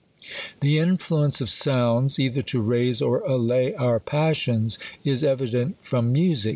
The influence of sounds, either to raise or allay our passions, is evident from music.